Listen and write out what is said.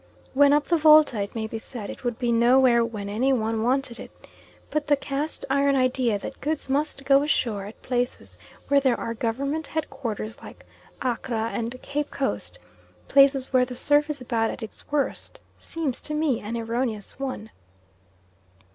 When up the Volta it may be said, "it would be nowhere when any one wanted it," but the cast iron idea that goods must go ashore at places where there are Government headquarters like Accra and Cape Coast, places where the surf is about at its worst, seems to me an erroneous one.